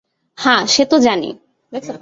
হাঁ সে তো জানি।